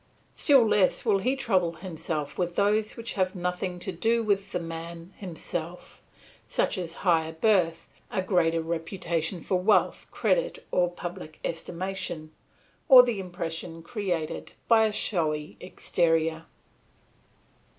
still less will he trouble himself with those which have nothing to do with the man himself, such as higher birth, a greater reputation for wealth, credit, or public estimation, or the impression created by a showy exterior.